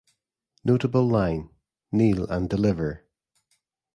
Notable line: Kneel and deliver!